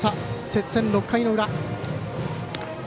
接戦、６回の裏。